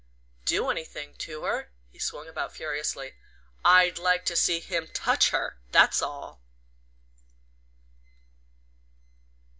"Do anything to her?" He swung about furiously. "I'd like to see him touch her that's all!"